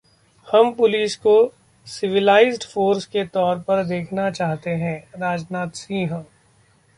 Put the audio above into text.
हम पुलिस को civilised force के तौर पर देखना चाहते हैं: राजनाथ सिंह